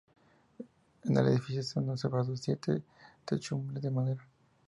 En el edificio se han conservado siete techumbres de madera.